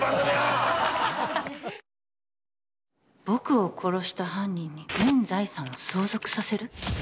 僕を殺した犯人に全財産を相続させる？